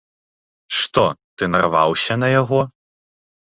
Што, ты нарваўся на яго?